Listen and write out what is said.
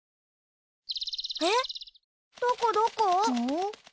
えっどこどこ？